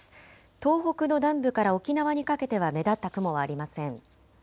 東北の南部から沖縄にかけては目立った雲はありません。